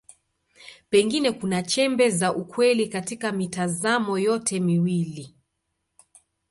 Pengine kuna chembe za ukweli katika mitazamo yote miwili.